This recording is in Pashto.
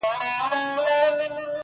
وګړي تښتي له ګاونډیانو-